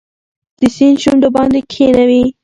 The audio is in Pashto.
د سیند شونډو باندې کښېښوي